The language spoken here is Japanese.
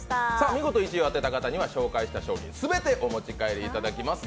見事１位を当てた方には紹介した商品全てお持ち帰りいただきます。